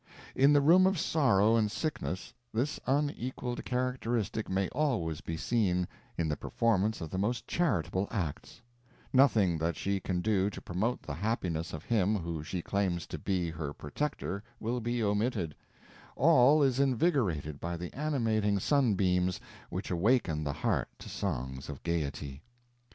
In the room of sorrow and sickness, this unequaled characteristic may always been seen, in the performance of the most charitable acts; nothing that she can do to promote the happiness of him who she claims to be her protector will be omitted; all is invigorated by the animating sunbeams which awaken the heart to songs of gaiety.